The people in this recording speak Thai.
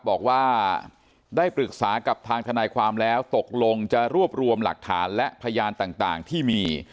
บอกว่าได้ปรึกษากับทางทนายความแล้วตกลงจะรวบรวมหลักฐานและพยานต่างที่มี